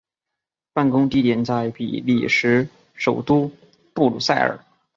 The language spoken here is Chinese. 办公地点在比利时首都布鲁塞尔。